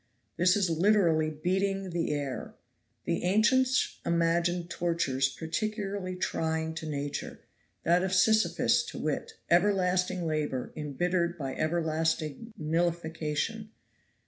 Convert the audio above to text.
This is literally 'beating the air.' The ancients imagined tortures particularly trying to nature, that of Sisyphus to wit; everlasting labor embittered by everlasting nihilification.